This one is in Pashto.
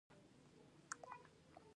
آیا ښاري نظم د اقتصاد لپاره مهم دی؟